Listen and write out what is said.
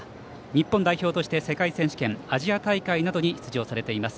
日本代表として世界選手権アジア大会などに出場されています